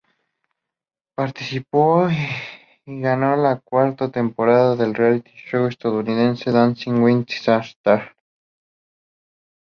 Participó y ganó la cuarta temporada del reality show estadounidense "Dancing with the Stars".